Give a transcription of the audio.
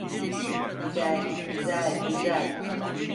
Güzel, güzel, güzel.